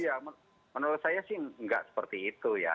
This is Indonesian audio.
ya menurut saya sih nggak seperti itu ya